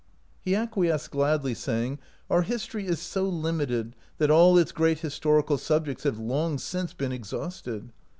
He acquiesced gladly, saying, " Our his tory is so limited that all its great historical subjects have long since been exhausted.